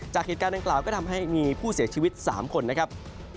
จากเหตุการณ์ดังกล่าวก็ทำให้มีผู้เสียชีวิต๓คนนะครับ